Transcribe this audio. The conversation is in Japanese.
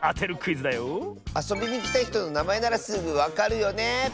あそびにきたひとのなまえならすぐわかるよね。